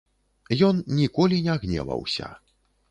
Ён ніколі не гневаўся.